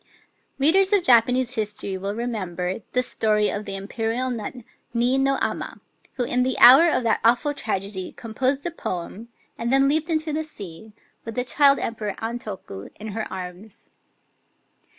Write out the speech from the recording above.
Readers of Japanese history will remember Digitized by Googk HEIK£ GANI C<^ ^<'<^ 131 the story of the Imperial Nun, Nii no Ama, who in the hour of that awful tragedy composed a poem, and then leaped into the sea, with the child emperor Antoku in her arms.